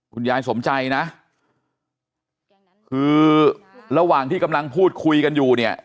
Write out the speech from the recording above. คุณยายสมใจนะคือระหว่างที่กำลังพูดคุยกันอยู่เนี่ย